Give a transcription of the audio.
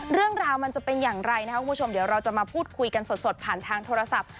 เรื่องราวมันจะเป็นอย่างไรนะครับคุณผู้ชมเดี๋ยวเราจะมาพูดคุยกันสดผ่านทางโทรศัพท์